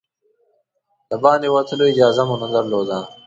د باندې وتلو اجازه مو نه درلوده.